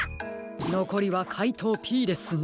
のこりはかいとうＰですね。